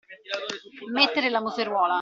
Mettere la museruola.